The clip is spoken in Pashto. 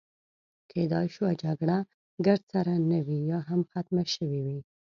کیدای شوه جګړه ګرد سره نه وي، یا هم ختمه شوې وي.